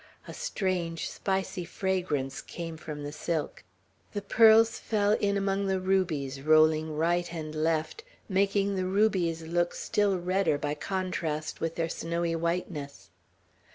A strange, spicy fragrance came from the silk. The pearls fell in among the rubies, rolling right and left, making the rubies look still redder by contrast with their snowy whiteness.